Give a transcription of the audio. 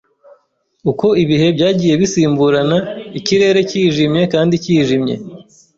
Uko ibihe byagiye bisimburana, ikirere cyijimye kandi cyijimye.